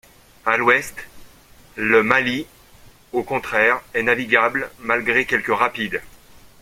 À l'ouest, la Mali, au contraire, est navigable, malgré quelques rapides.